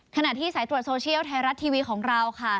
ขณะที่สายตรวจโซเชียลไทยรัฐทีวีของเราค่ะ